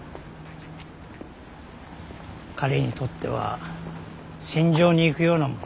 彼にとっては戦場に行くようなもの。